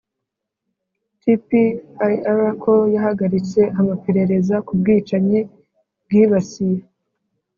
tpir ko yahagaritse amaperereza ku bwicanyi bwibasiye